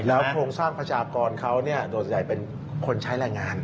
โครงสร้างประชากรเขาโดยส่วนใหญ่เป็นคนใช้แรงงาน